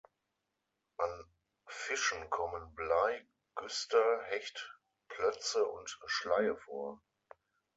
An Fischen kommen Blei, Güster, Hecht, Plötze und Schleie vor.